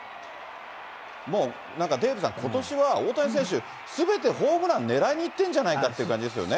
もうなんかデーブさん、ことしは大谷選手、すべてホームラン、狙いにいってんじゃないかという感じですよね。